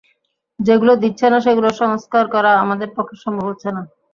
যেগুলো দিচ্ছে না, সেগুলোর সংস্কার করা আমাদের পক্ষে সম্ভব হচ্ছে না।